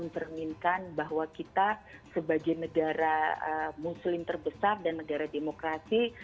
perminkan bahwa kita sebagai negara muslim terbesar dan negara demokrasi